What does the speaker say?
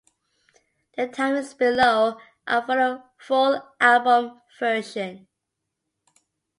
The timings below are for the full album version.